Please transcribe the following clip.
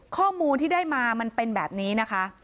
ข้อมูลที่ได้มามันเป็นแบบนี้นะคะ